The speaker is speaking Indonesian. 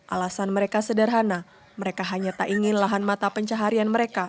alasan mereka sederhana mereka hanya tak ingin lahan mata pencaharian mereka